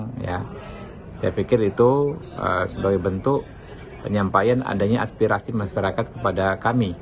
saya pikir itu sebagai bentuk penyampaian adanya aspirasi masyarakat kepada kami